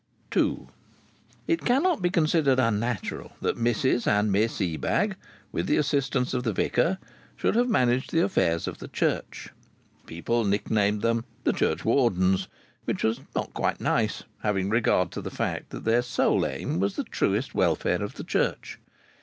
II It cannot be considered unnatural that Mrs and Miss Ebag, with the assistance of the vicar, should have managed the affairs of the church. People nicknamed them "the churchwardens," which was not quite nice, having regard to the fact that their sole aim was the truest welfare of the church.